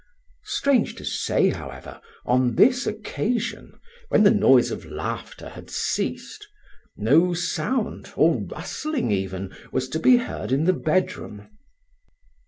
Strange to say, however, on this occasion, when the noise of laughter had ceased, no sound, or rustling even, was to be heard in the bedroom.